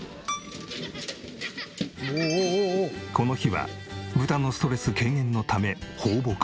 この日は豚のストレス軽減のため。